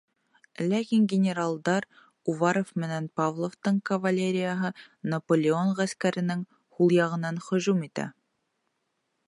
Ләкин генералдар Уваров менән Платовтың кавалерияһы Наполеон ғәскәренең һул яғынан һөжүм итә.